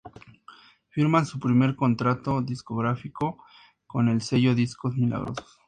Firman su primer contrato discográfico con el sello Discos Milagrosos.